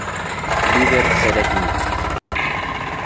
Líber Seregni.